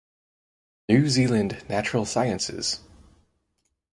New Zealand Natural Sciences.